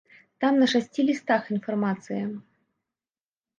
Там на шасці лістах інфармацыя.